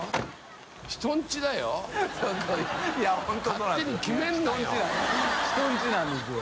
勝手に決めるなよ。